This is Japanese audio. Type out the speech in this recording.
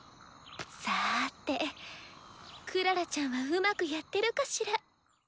さてクララちゃんはうまくやってるかしら。